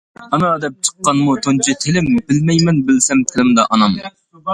-ئانا-دەپ، چىققانمۇ تۇنجى تىلىم، بىلمەيمەن، بىلسەم تىلىمدا-ئانام!